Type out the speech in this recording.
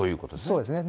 そうですね。